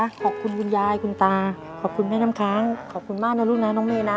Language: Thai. ขอบคุณมากนะจ๊ะขอบคุณคุณยายคุณตาขอบคุณแม่น้ำค้างขอบคุณมากนะลูกน้อยน้องเมนะ